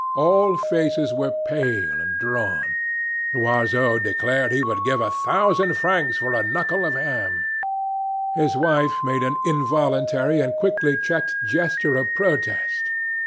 All faces were pale and drawn. Loiseau declared he would give a thousand francs for a knuckle of ham. His wife made an involuntary and quickly checked gesture of protest.